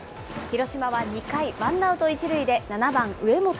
広島は２回、ワンアウト１塁で７番上本。